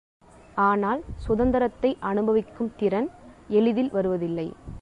ஆனால் சுதந்தரத்தை அனுபவிக்கும் திறன் எளிதில் வருவதில்லை.